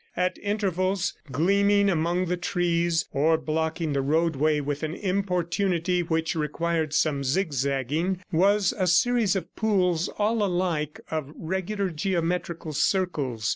At intervals gleaming among the trees or blocking the roadway with an importunity which required some zigzagging was a series of pools, all alike, of regular geometrical circles.